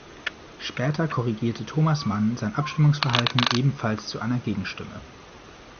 Später korrigierte Thomas Mann sein Abstimmungsverhalten ebenfalls zu einer Gegenstimme.